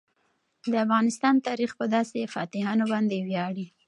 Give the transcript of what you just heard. د افغانستان تاریخ په داسې فاتحانو باندې ویاړي.